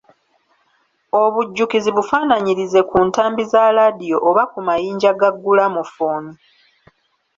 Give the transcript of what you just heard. Obujjukizi bufanaanyirize ku ntambi za laadiyo oba ku mayinja ga ggulamafooni.